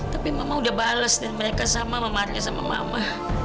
tapi mama udah bales dan mereka sama mamarnya sama mama